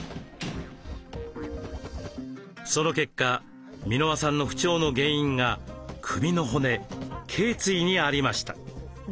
その結果箕輪さんの不調の原因が首の骨けい椎にありました。